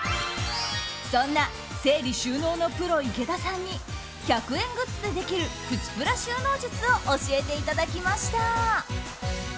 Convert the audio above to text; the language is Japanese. そんな整理収納のプロ池田さんに１００円グッズでできるプチプラ収納術を教えていただきました。